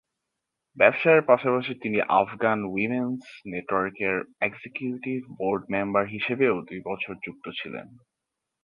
ব্যবসায়ের পাশাপাশি তিনি আফগান উইমেন্স নেটওয়ার্কের এক্সিকিউটিভ বোর্ড মেম্বার হিসেবেও দুই বছর যুক্ত ছিলেন।